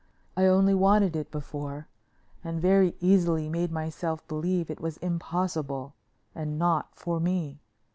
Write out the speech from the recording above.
I only wanted it before, and very easily made myself believe it was impossible, and not for me.